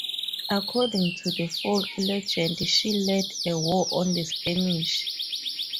According to the folk legend she led a war on the Spanish.